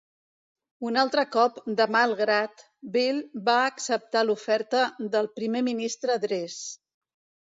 Un altre cop de mal grat, Beel va acceptar l'oferta del primer ministre Drees.